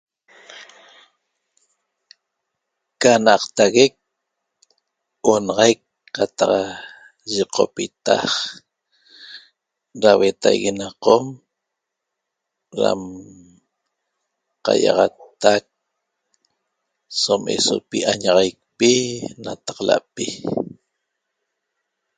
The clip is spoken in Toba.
Ca n'aqtaguec onaxaic qataq yiqopita da huetaigui na Qom dam qai'axattac som esopi añaxaicpi nataxala'pi